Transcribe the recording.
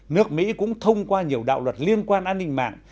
nước mỹ cũng thông qua nhiều đạo luật liên quan an ninh mạng